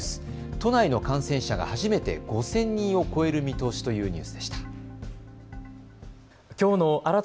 都内の感染者が初めて５０００人を超える見通しというニュースでした。